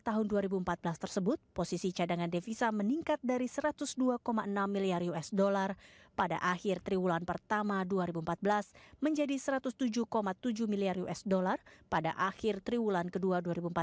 tahun dua ribu empat belas tersebut posisi cadangan devisa meningkat dari satu ratus dua enam miliar usd pada akhir triwulan pertama dua ribu empat belas menjadi satu ratus tujuh tujuh miliar usd pada akhir triwulan kedua dua ribu empat belas